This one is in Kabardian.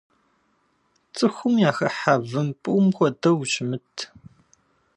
Цӏыхум яхыхьэ, вымпӏум хуэдэу ущымыт.